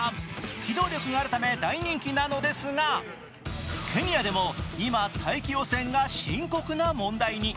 機動力があるため大人気なのですがケニアでも今、大気汚染が深刻な問題に。